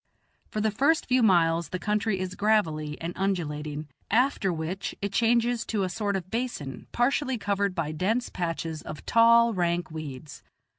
For the first few miles the country is gravelly and undulating, after which it changes to a sort of basin, partially covered by dense patches of tall, rank weeds.